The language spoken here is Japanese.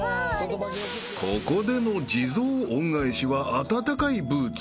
［ここでの地蔵恩返しは暖かいブーツ］